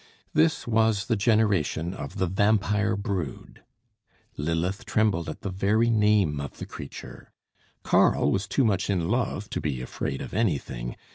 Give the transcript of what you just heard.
This was the generation of the vampire brood. Lilith trembled at the very name of the creature. Karl was too much in love to be afraid of anything.